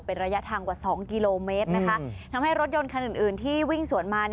เป็นระยะทางกว่า๒กิโลเมตรนะคะทำให้รถยนต์คันอื่นที่วิ่งสวนมา